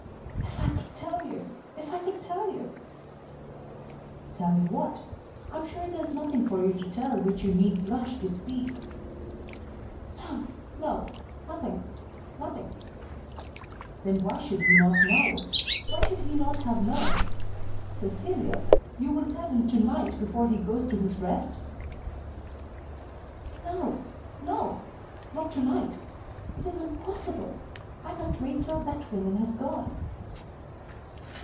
"If I could tell you! If I could tell you!" "Tell me what? I am sure there is nothing for you to tell which you need blush to speak." "No, no. Nothing, nothing." "Then why should he not know? Why should he not have known? Cecilia, you will tell him to night before he goes to his rest?" "No, no. Not to night. It is impossible. I must wait till that woman has gone."